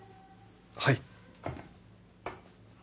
はい。